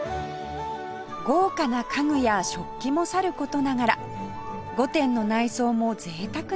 豪華な家具や食器もさる事ながら御殿の内装も贅沢な造りに